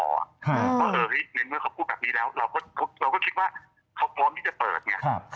เพราะในเมื่อเขาพูดแบบนี้แล้วเราก็คิดว่าเขาพร้อมที่จะเปิดไง